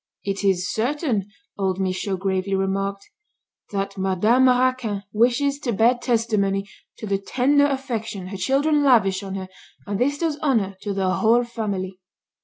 "It is certain," old Michaud gravely remarked, "that Madame Raquin wishes to bear testimony to the tender affection her children lavish on her, and this does honour to the whole family."